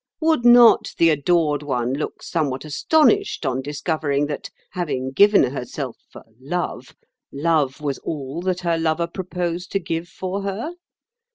Would not the adored one look somewhat astonished on discovering that, having given herself for 'love,' love was all that her lover proposed to give for her.